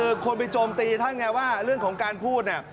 คือคนไปโจมตีท่านไงว่าเรื่องของการพูดเนี่ย